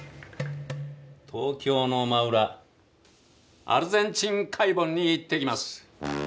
東京の真裏アルゼンチン海盆に行ってきます。